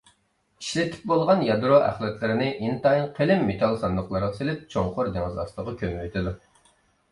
ئىشلىتىپ بولغان يادرو ئەخلەتلىرىنى ئىنتايىن قېلىن مېتال ساندۇقلارغا سېلىپ چوڭقۇر دېڭىز ئاستىغا كۆمۈۋېتىدۇ.